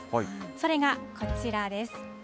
それがこちらです。